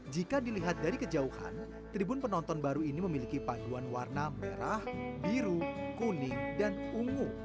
jika dilihat dari kejauhan tribun penonton baru ini memiliki paduan warna merah biru kuning dan ungu